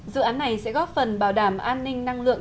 dự án này sẽ góp phần bảo đảm an ninh năng lượng